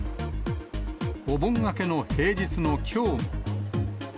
お盆明けの平日のきょうも。